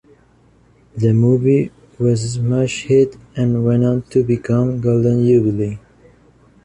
The movie was a smash hit and went on to become Golden Jubilee.